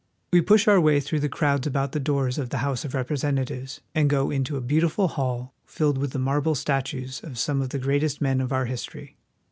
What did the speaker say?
We push our way through the crowds about the doors of the House of Representatives, and go on into a beautiful hall filled with the marble statues of some of the greatest men of our history.